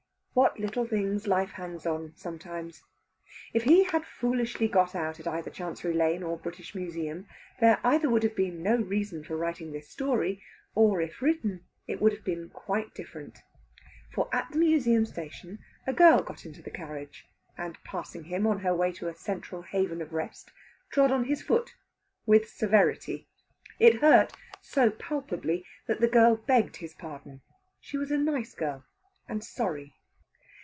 What little things life hangs on, sometimes! If he had foolishly got out at either Chancery Lane or British Museum, there either would have been no reason for writing this story; or, if written, it would have been quite different. For at the Museum Station a girl got into the carriage; and, passing him on her way to a central haven of rest, trod on his foot, with severity. It hurt, so palpably, that the girl begged his pardon. She was a nice girl, and sorry.